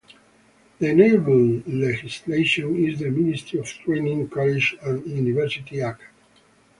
The enabling legislation is the "Ministry of Training, Colleges and Universities Act".